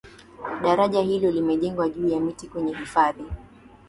daraja hilo limejengwa juu ya miti kwenye hifadhi